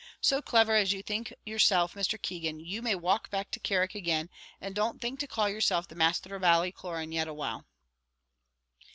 So clever as you think yourself, Mr. Keegan, you may walk back to Carrick again, and don't think to call yourself masther of Ballycloran yet awhile."